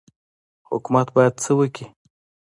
حکومت باید څه وکړي؟